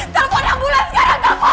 telepon ambulans sekarang telepon